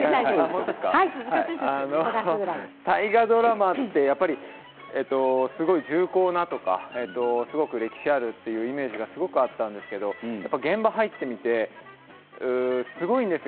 大河ドラマって、やっぱりすごい重厚なとか歴史あるというイメージがすごくあったんですけれど現場に入ってみてすごいんですよ